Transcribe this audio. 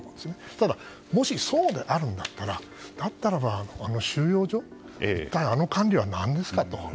ただ、もしそうであるんだったら収容所の管理は何ですかと。